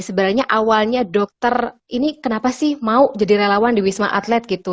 sebenarnya awalnya dokter ini kenapa sih mau jadi relawan di wisma atlet gitu